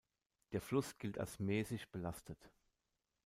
Der Fluss gilt als mäßig belastet.